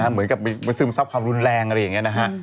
เหมือนกับไปซึมซับความรุนแรงอะไรอย่างนี้นะฮะ